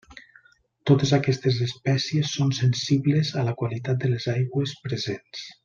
Totes aquestes espècies són sensibles a la qualitat de les aigües presents.